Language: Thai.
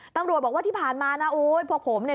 ตำรวจบอกว่าที่ผ่านมานะโอ้ยพวกผมเนี่ย